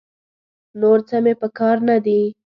نور څه مې په کار نه دي.